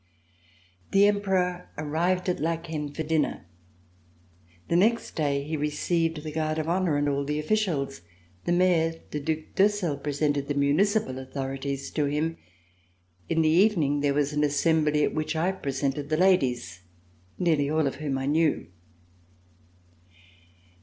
The Emperor arrived at Laeken for dinner. The next day he received the Guard of Honor and all the officials. The Mayor, the Due d'Ursel, presented the municipal authorities to him. In the evening there was an Assembly at which I presented the ladies, nearly all of whom I knew.